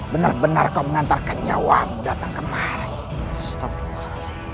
benar benar kau mengantarkan nyawamu datang kemah mudah